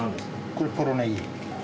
これポロネギ。